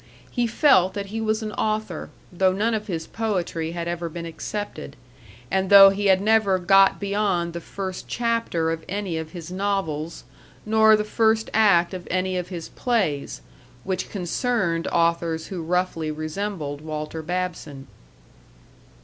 He felt that he was an author, though none of his poetry had ever been accepted, and though he had never got beyond the first chapter of any of his novels, nor the first act of any of his plays (which concerned authors who roughly resembled Walter Babson).